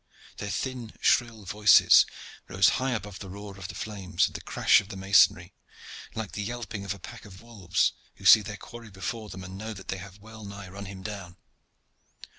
Their thin, shrill voices rose high above the roar of the flames and the crash of the masonry, like the yelping of a pack of wolves who see their quarry before them and know that they have well nigh run him down.